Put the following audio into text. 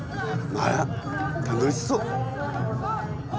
あら楽しそう。